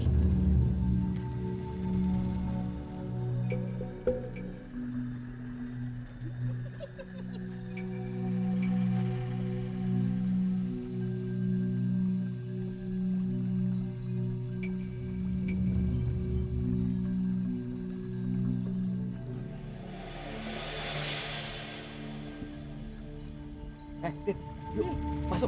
eh dit yuk masuk